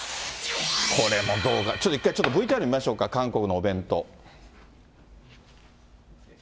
これもどうか、一回ちょっとＶＴＲ見ましょうか、韓国のお弁当。